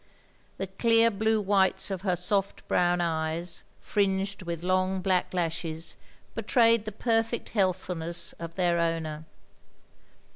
The clear blue whites of her soft brown eyes, fringed with long black lashes, betrayed the perfect healthfulness of their owner.